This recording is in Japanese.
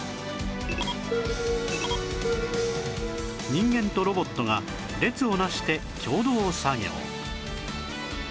人間とロボットが列を成して共同作業